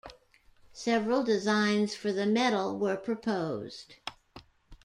Several designs for the medal were proposed.